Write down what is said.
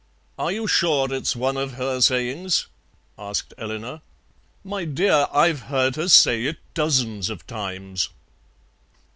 "Are you sure it's one of her sayings?" asked Eleanor. "My dear, I've heard her say it dozens of times."